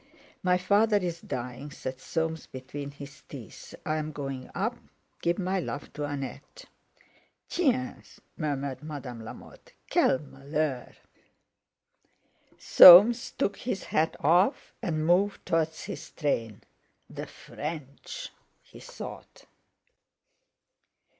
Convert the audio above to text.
_" "My father's dying," said Soames between his teeth. "I'm going up. Give my love to Annette." "Tiens!" murmured Madame Lamotte; "quel malheur!" Soames took his hat off, and moved towards his train. "The French!" he thought.